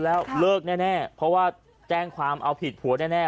แล้วเลิกแน่เพราะว่าแจ้งความเอาผิดผัวแน่